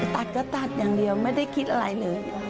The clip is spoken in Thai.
ตัดก็ตัดอย่างเดียวไม่ได้คิดอะไรเลย